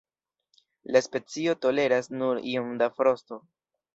La specio toleras nur iom da frosto.